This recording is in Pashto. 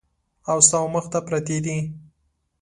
او ستا ومخ ته پرتې دي !